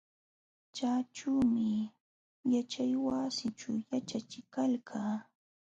Chaćhuumi yaćhaywasićhu yaćhachiq kalqa.